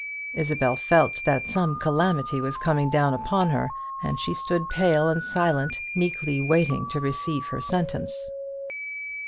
Isabel felt that some calamity was coming down upon her: and she stood pale and silent, meekly waiting to receive her sentence.